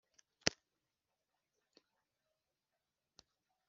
bajya gufasha umugabo n’umugore we.